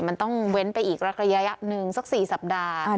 มันต้องเว้นไปอีกระยะหนึ่งสัก๔สัปดาห์